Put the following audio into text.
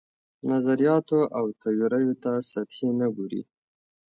نظریاتو او تیوریو ته سطحي نه ګوري.